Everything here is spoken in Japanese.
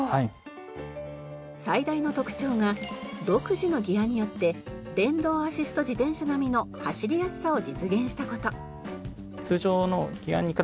最大の特徴が独自のギアによって電動アシスト自転車並みの走りやすさを実現した事。